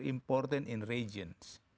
kita penting di negara negara